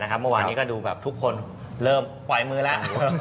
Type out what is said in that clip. เมื่อวานนี้ก็ดูแบบทุกคนเริ่มปล่อยมือแล้ว